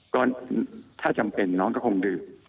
ก็ถ้าจำเป็นน้องก็คงดื่ม